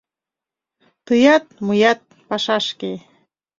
Тыят, мыят — пашашке: